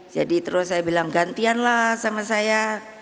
jadi terus saya bilang gantianlah sama saya